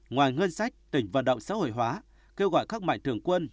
ngoài ngân sách tỉnh vận động xã hội hóa kêu gọi các mạnh thường quân